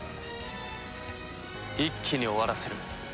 一気に終わらせる。